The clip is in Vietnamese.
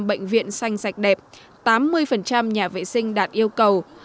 sáu mươi bảy mươi bệnh viện xanh sạch đẹp tám mươi nhà vệ sinh đạt yêu cầu